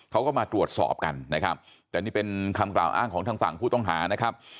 เขาก็มาตรวจสอบกันนะครับแต่นี่เป็นคำกล่าวอ้างของทางฝั่งผู้ต้องหานะครับ